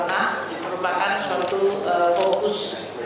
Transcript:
ini merupakan suatu fokus